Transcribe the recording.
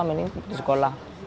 mending putus sekolah